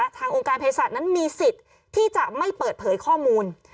ทางองค์การเพศศาสตร์นั้นมีสิทธิ์ที่จะไม่เปิดเผยข้อมูล